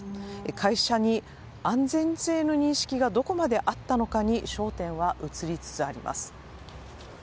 会社に安全性の認識がどこまであったのかに焦点が移りつつあります。